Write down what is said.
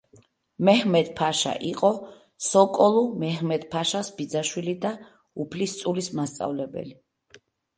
მეჰმედ-ფაშა იყო სოკოლუ მეჰმედ-ფაშას ბიძაშვილი და უფლისწულის მასწავლებელი.